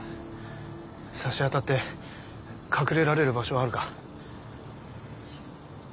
さしあたって隠れられる場所はあるか？